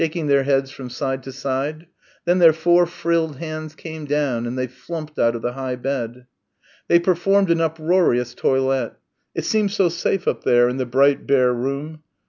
shaking their heads from side to side. Then their four frilled hands came down and they flumped out of the high bed. They performed an uproarious toilet. It seemed so safe up there in the bright bare room.